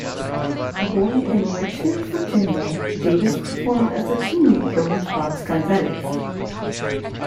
Born in Richmond, Virginia, Davis performed as a teenager with Babs Gonzales.